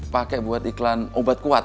pakai buat iklan obat kuat